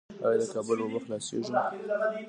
آیا د کابل اوبه خلاصیږي؟